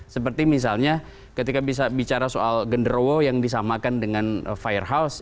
seperti misalnya ketika bisa bicara soal genderowo yang disamakan dengan firehouse